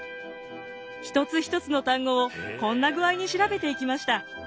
一つ一つの単語をこんな具合に調べていきました。